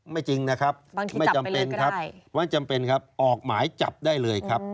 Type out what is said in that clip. ไม่จริงนะครับไม่จำเป็นครับออกหมายจับได้เลยครับ